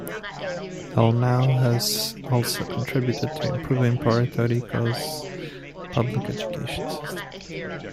Dalmau has also contributed to improving Puerto Rico's public education system.